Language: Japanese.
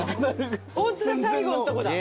ホントだ最後んとこだ。